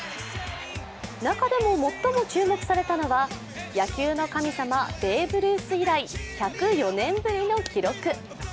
中でも最も注目されたのが野球の神様ベーブ・ルース以来１０４年ぶりの記録。